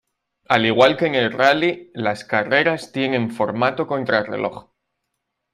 Al igual que en el rally, las carreras tienen formato contrarreloj.